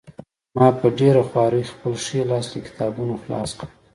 ما په ډېره خوارۍ خپل ښی لاس له کتابونو خلاص کړ